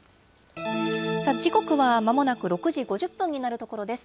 時刻はまもなく６時５０分になるところです。